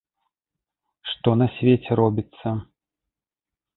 Што на свеце робіцца!